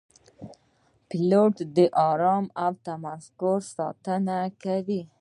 پیلوټ د آرام او تمرکز ساتنه کوي.